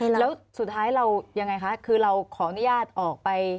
แล้วสุดท้ายเรายังไงคะคือเราขออนุญาตออกไป